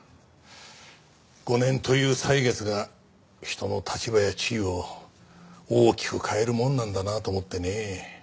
５年という歳月が人の立場や地位を大きく変えるもんなんだなと思ってねえ。